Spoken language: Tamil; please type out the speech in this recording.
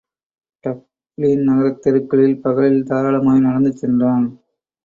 டப்ளின் நகரத் தெருக்களில் பகலில் தாராளமாய் நடந்து சென்றான்.